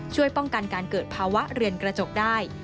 ช่วยป้องกันการเกิดภาวะเรือนกระจกได้